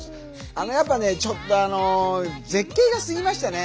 やっぱねちょっと絶景がすぎましたね